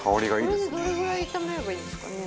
奈緒：これで、どれぐらい炒めればいいんですかね？